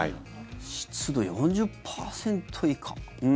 湿度４０％以下。